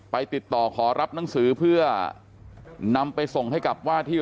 ติดต่อขอรับหนังสือเพื่อนำไปส่งให้กับว่าที่